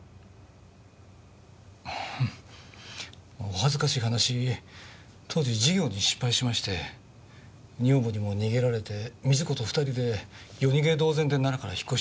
お恥ずかしい話当時事業に失敗しまして女房にも逃げられて瑞子と２人で夜逃げ同然で奈良から引っ越したんです。